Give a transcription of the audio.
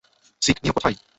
Sick, নিও কোথায়?